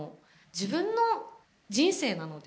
自分の人生なので。